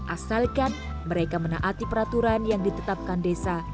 asalkan mereka menaati peraturan yang ditetapkan desa